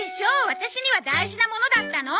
ワタシには大事なものだったの！